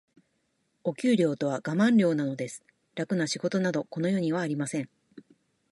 お給料とはガマン料なのです。楽な仕事など、この世にはありません。